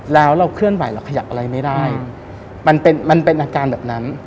แล้วเราเคลื่อนไหวเราขยับอะไรไม่ได้มันเป็นมันเป็นอาการแบบนั้น